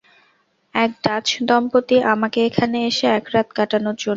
এক ডাচ দম্পতি আমাকে এখানে এসে একরাত কাটানোর জন্য।